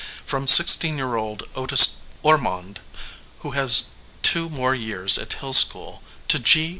From sixteen year old Otis Ormonde, who has two more years at Hill School, to G.